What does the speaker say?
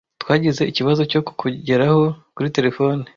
Twagize ikibazo cyo kukugeraho kuri terefone.